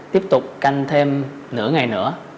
tiếp tục canh thêm nửa ngày nữa